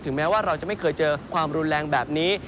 แม้ว่าเราจะไม่เคยเจอความรุนแรงแบบนี้